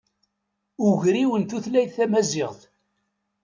Ugriw n tutlayt tamaziɣt.